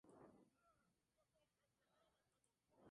Comenzó su carrera profesional interpretando "La muerte del cisne".